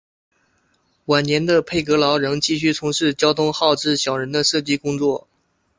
晚年的佩格劳仍继续从事交通号志小人的设计工作。